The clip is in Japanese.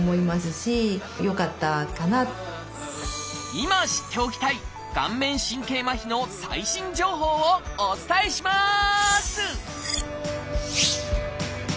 今知っておきたい顔面神経麻痺の最新情報をお伝えします！